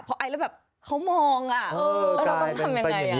เพราะไอแล้วแบบเขามองอ่ะว่าเราต้องทำยังไง